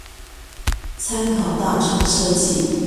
參考大廠設計